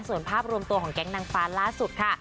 ส่วนภาพรวมตัวของแก๊งนางฟ้าล่าสุดค่ะ